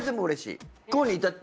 うれしい。